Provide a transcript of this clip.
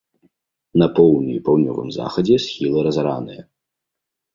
На поўдні і паўднёвым захадзе схілы разараныя.